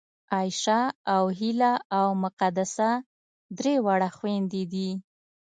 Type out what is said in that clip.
عایشه او هیله او مقدسه درې واړه خوېندې دي